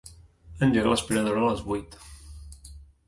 Engega l'aspiradora a les vuit.